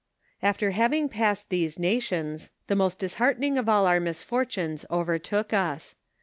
After having passed these nations, the most disheartening of all our misfortunes overtook us.